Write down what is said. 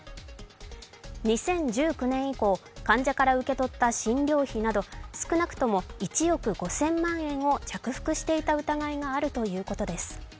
２０１９年以降、患者から受け取った診療費など少なくとも１億５０００万円を着服していた疑いがあるということです。